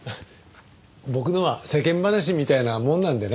僕のは世間話みたいなもんなんでね。